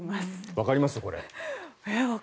わかります、これ？